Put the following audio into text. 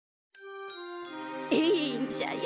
いいんじゃよ。